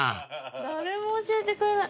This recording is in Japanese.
誰も教えてくれない。